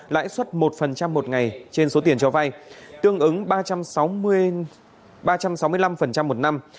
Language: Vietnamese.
lãi suất một một ngày trên số tiền cho vay tương ứng ba trăm sáu mươi năm một năm